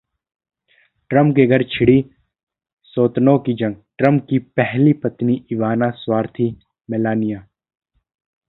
Trump के घर छिड़ी सौतनों की जंग...ट्रंप की पहली पत्नी इवाना 'स्वार्थी': मेलानिया